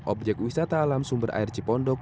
objek wisata alam sumber air cipondok